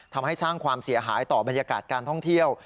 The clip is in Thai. ทำให้สร้างความเสียหายต่อบรรยากาศการท่องเที่ยว